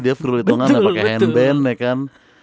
dia foo di tengah pake handband ya kan